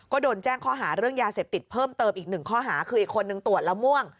ก็โดนแจ้งข้อหาเรื่องยาเสพติดเพิ่มเติมอีกหนึ่งข้อหาคืออีกคนนึงตรวจแล้วม่วง